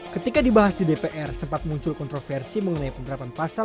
ketika dibahas di dpr sempat muncul kontroversi mengenai penerapan pasal